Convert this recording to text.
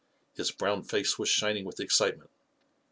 His brown face was shining with excitement.